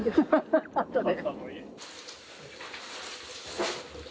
あとで。